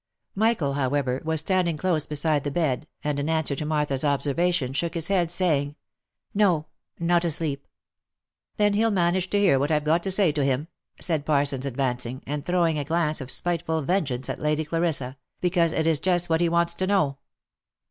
Michael, however, was standing close beside the bed, and in answer to Martha's observation shook his head, saying, " No ! not asleep." "Then he'll manage to hear what I've got to say to him," said Parsons, advancing, and throwing a glance of spiteful vengeance at Lady Clarissa, " because it is just what he wants to know."